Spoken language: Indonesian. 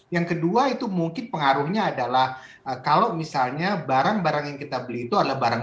yang kedua itu mungkin pengaruhnya adalah kalau misalnya barang barang yang kita beli itu adalah barang barang